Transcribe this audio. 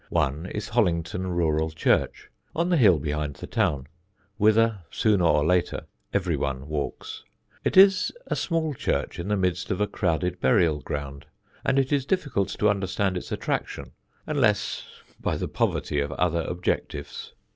One is Hollington Rural church, on the hill behind the town, whither sooner or later every one walks. It is a small church in the midst of a crowded burial ground, and it is difficult to understand its attraction unless by the poverty of other objectives.